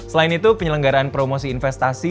selain itu penyelenggaraan promosi investasi